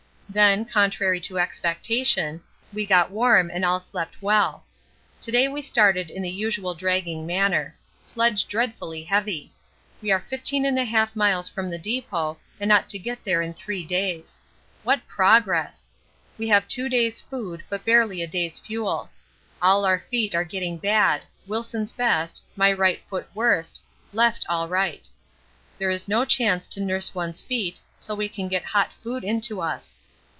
Then, contrary to expectation, we got warm and all slept well. To day we started in the usual dragging manner. Sledge dreadfully heavy. We are 15 1/2 miles from the depot and ought to get there in three days. What progress! We have two days' food but barely a day's fuel. All our feet are getting bad Wilson's best, my right foot worst, left all right. There is no chance to nurse one's feet till we can get hot food into us.